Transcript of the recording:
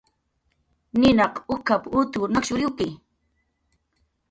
"Ninaq uk""ap"" ut nakshuriwki"